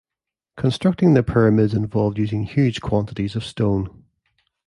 Constructing the pyramids involved moving huge quantities of stone.